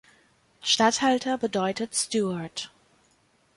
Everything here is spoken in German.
„Stadthalter“ bedeutet „Steward“.